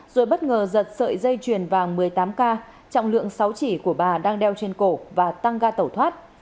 rồi bất ngờ giật sợi dây chuyền vàng một mươi tám k trọng lượng sáu chỉ của bà đang đeo trên cổ và tăng ga tẩu thoát